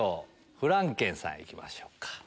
フランケンさん行きましょうか。